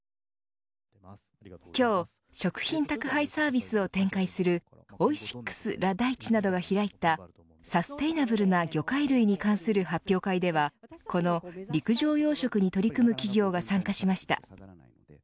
今日、食品宅配サービスを展開するオイシックス・ラ・大地などが開いたサステイナブルな魚介類に関する発表会ではこの陸上養殖に取り組む企業が参加しました。